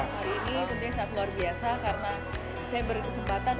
hari ini tentunya sangat luar biasa karena saya berkesempatan